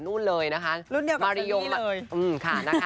รุ่นเดียวกับซะนี้เลย